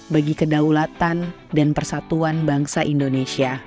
bagi kedaulatan dan persatuan bangsa indonesia